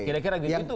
saya kira gitu